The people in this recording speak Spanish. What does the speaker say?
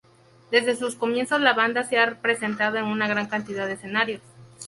Desde sus comienzos la banda se ha presentado en una gran cantidad de escenarios.